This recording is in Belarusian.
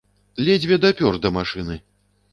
Ледзьве дапёр да машыны!